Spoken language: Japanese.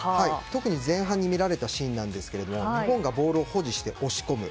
特に前半に見られたシーンですが日本がボールを保持して押し込む。